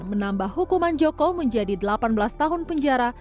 menambah hukuman joko menjadi delapan belas tahun penjara